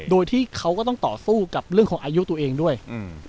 โดยที่เขาก็ต้องต่อสู้กับเรื่องของอายุตัวเองด้วยอืม